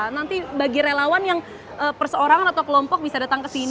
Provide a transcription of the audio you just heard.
nanti bagi relawan yang perseorang atau kelompok bisa datang kesini